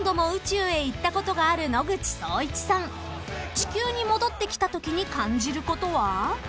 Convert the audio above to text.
［地球に戻ってきたときに感じることは？］